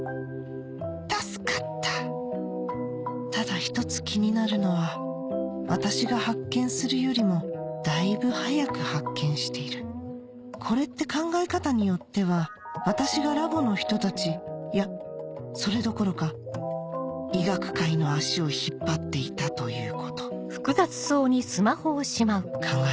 助かったただ１つ気になるのは私が発見するよりもだいぶ早く発見しているこれって考え方によっては私がラボの人たちいやそれどころか医学界の足を引っ張っていたということ考えないようにしよう